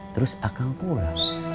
terus akang pulang